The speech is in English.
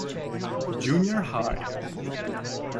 Junior High.